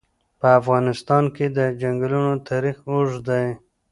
په افغانستان کې د چنګلونه تاریخ اوږد دی.